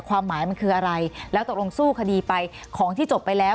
ความหมายมันคืออะไรแล้วตกลงสู้คดีไปของที่จบไปแล้ว